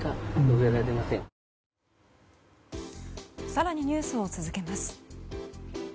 更にニュースを続けます。